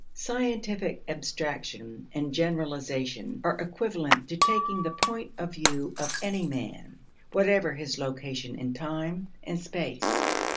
Scientific abstraction and generalization are equivalent to taking the point of view of any man, whatever his location in time and space.